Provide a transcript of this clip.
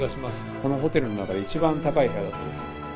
このホテルの中で一番高い部屋だそうです。